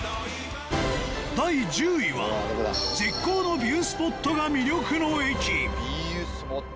第１０位は絶好のビュースポットが魅力の駅。